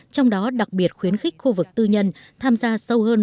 trong đó đặc biệt khuyến khích khu vực tư nhân tham gia sâu hơn